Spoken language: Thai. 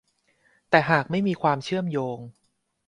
แต่หากไม่มีความเชื่อมโยง